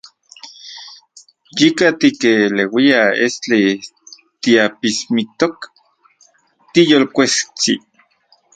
Yika tikeleuia estli, tiapismiktok, tiyolkuejsi.